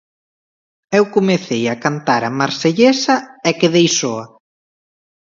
Eu comecei a cantar a Marsellesa e quedei soa.